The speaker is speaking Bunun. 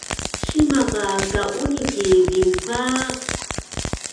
Simaq a ka’uni ki zingva?